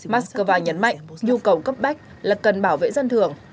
moscow nhấn mạnh nhu cầu cấp bách là cần bảo vệ dân thường